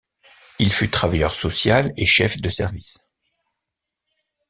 Il fut travailleur social et chef de service.